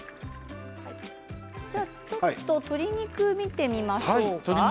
ちょっと鶏肉を見てみましょうか。